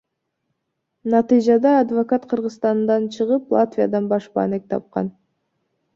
Натыйжада адвокат Кыргызстандан чыгып Латвиядан башпаанек тапкан.